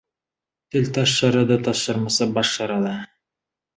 Тіл тас жарады, тас жармаса, бас жарады.